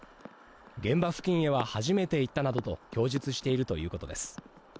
現場付近へは初めて行ったなどと供述しているということです。